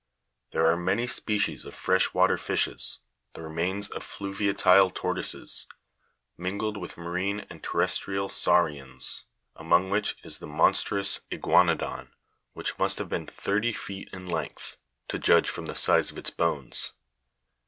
TJiere are many species of fresh water fishes, the remains of fluviatile tortoises, mingled with marine and terres trial saurians, among which is the monstrous i'guanodon, which must have been thirty feet in length, to judge from the size of its bones.